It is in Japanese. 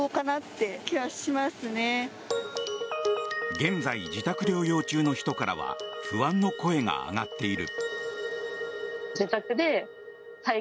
現在、自宅療養中の人からは不安の声が上がっている。